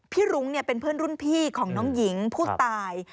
รุ้งเป็นเพื่อนรุ่นพี่ของน้องหญิงผู้ตาย